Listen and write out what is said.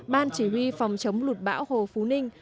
ban chỉ huy phòng chống lụt bão hồ phú ninh